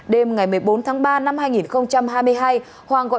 đêm ngày một mươi bốn tháng ba năm hai nghìn hai mươi hai hoàng gọi điện cho công an